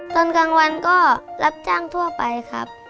ตอนกลางวันก็รับจ้างทั่วไปครับ